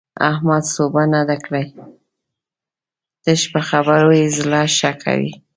احمد سوبه نه ده کړې؛ تش په خبرو يې زړه ښه کوي.